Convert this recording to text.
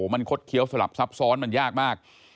มันคดเคี้ยวสลับซับซ้อนมันยากมาก